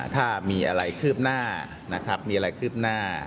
ถ้ามีอะไรคืบหน้านะครับมีอะไรคืบหน้า